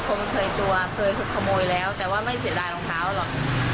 คงเคยตัวเคยถูกขโมยแล้วแต่ว่าไม่เสียดายรองเท้าหรอก